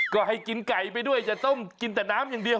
ก็ให้กินไก่ไปด้วยอย่าต้มกินแต่น้ำอย่างเดียว